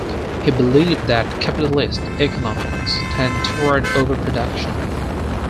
He believed that capitalist economies tend toward overproduction.